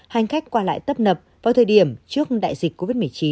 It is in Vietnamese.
hành khách qua lại tấp nập vào thời điểm trước đại dịch covid một mươi chín